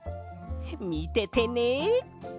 みててね！